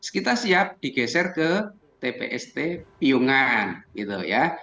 kita siap digeser ke tpst piungan gitu ya